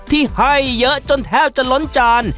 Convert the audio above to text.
ที่ให้เยอะจนแทบจะล้นจาน